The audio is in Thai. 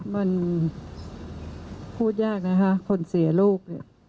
มันพูดยากนะคะคนเสียลูกเนี่ย